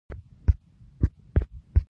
د کالم او عامې لیکنې توپیر مهم دی.